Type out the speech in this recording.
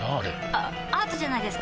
あアートじゃないですか？